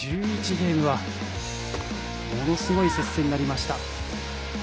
ゲームはものすごい接戦になりました。